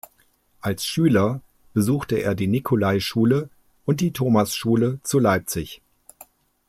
Als Schüler besuchte er die Nikolaischule und die Thomasschule zu Leipzig.